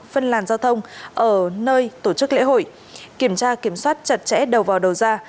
phân làn giao thông ở nơi tổ chức lễ hội kiểm tra kiểm soát chặt chẽ đầu vào đầu ra